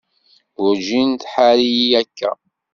Werǧin tḥar-iyi akka.